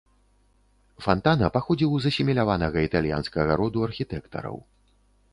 Фантана паходзіў з асіміляванага італьянскага роду архітэктараў.